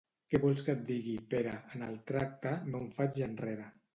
Què vols que et digui, Pere, en el tracte, no em faig enrere.